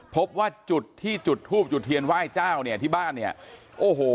พบว่าจุดที่จุดทูบจุดเทียนไหว้เจ้าเนี่ยที่บ้านเนี่ยโอ้โห